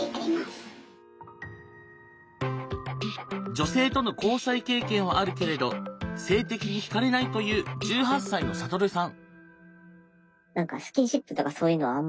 女性との交際経験はあるけれど性的にひかれないという１８歳のサトルさん。